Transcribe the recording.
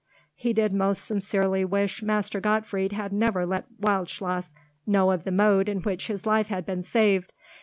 He did most sincerely wish Master Gottfried had never let Wildschloss know of the mode in which his life had been saved.